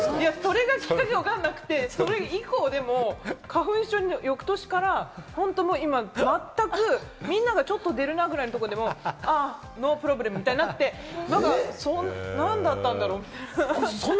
それがきっかけかどうかわからなくて、それ以降は花粉症が翌年から今まったく、みんながちょっと出るなくらいでも、ノープロブレム！みたいになって、何だったんだろう？みたいな。